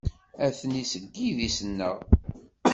Atni seg yidis-nneɣ.